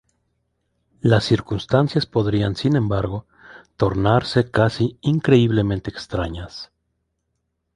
Las circunstancias podrían sin embargo, tornarse casi increíblemente extrañas.